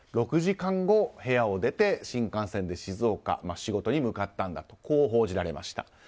６時間後、部屋を出て新幹線で静岡仕事に向かったんだと報じられました。